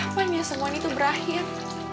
kapan ya semua ini tuh berakhir